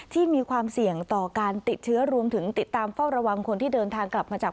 ที่มีความเสี่ยงต่อการติดเชื้อรวมถึงติดตามเฝ้าระวังคนที่เดินทางกลับมาจาก